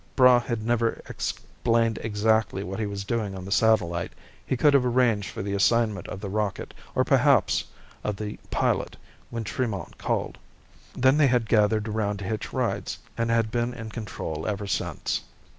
Braigh had never explained exactly what he was doing on the satellite; he could have arranged for the assignment of the rocket, or perhaps of the pilot, when Tremont called. Then they had gathered around to hitch rides, and had been in control ever since.